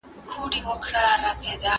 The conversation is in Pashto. دوه صنمه یې په زړه کې د بامیان کړل